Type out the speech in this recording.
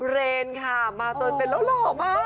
เรนค่ะมาเตินเป็นแล้วหล่อมาก